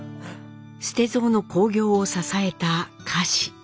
捨蔵の興行を支えた菓子。